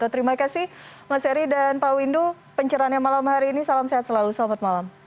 terima kasih salam sehat